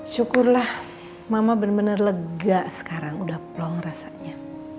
syukurlah mama bener bener lega sekarang udah plong rasanya